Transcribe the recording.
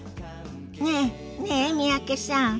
ねえねえ三宅さん。